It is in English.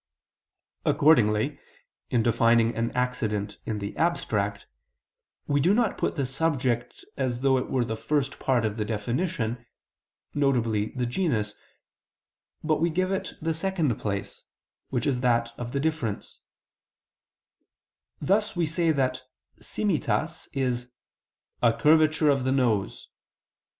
Accordingly in defining an accident in the abstract, we do not put the subject as though it were the first part of the definition, viz. the genus; but we give it the second place, which is that of the difference; thus we say that simitas is "a curvature of the nose."